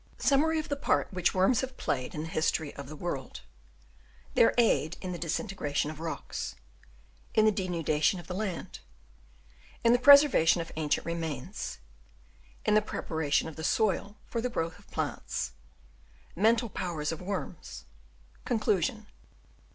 Summary of the part which worms have played in the history of the world — Their aid in the disintegration of rocks — In the denudation of the land — In the preservation of ancient remains — In the preparation of the soil for the growth of plants — Mental powers of worm3 — Conclusion.